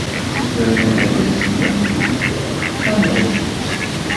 Zemren ad as-aznen taneḍfust?